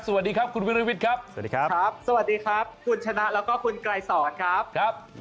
สวัสดีครับคุณวิริวิทย์ครับสวัสดีครับครับสวัสดีครับคุณชนะแล้วก็คุณไกรสอนครับครับ